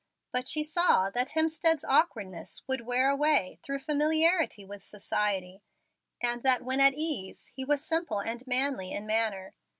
But she saw that Hemstead's awkwardness would wear away, through familiarity with society, and that, when at ease, he was simple and manly in manner.